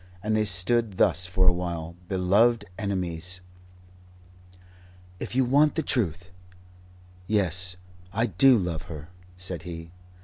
And they stood thus for a while, beloved enemies. "If you want the Truth yes, I do love her," said he.